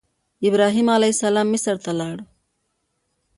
ابراهیم علیه السلام مصر ته لاړ.